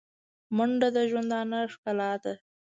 منډه د ژوندانه ښکلا ده